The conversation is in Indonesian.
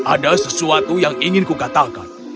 ada sesuatu yang ingin kukatakan